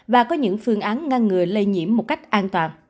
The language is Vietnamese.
và có những phương án ngăn ngừa lây nhiễm một cách an toàn